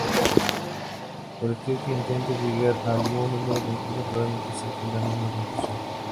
Cualquiera que intente llegar a algún número concreto, probablemente saque la misma conclusión.